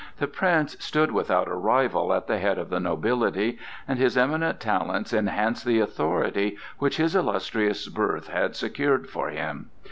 The Prince stood without a rival at the head of the nobility, and his eminent talents enhanced the authority which his illustrious birth had secured for him.